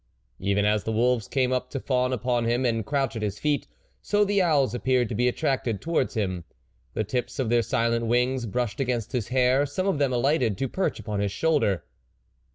Even as the wolves came up to fawn upon him and crouch at his feet, so the owls appeared to be attracted towards him. The tips of their silent wings brushed against his hair ; some of them alighted to perch upon his shoulder.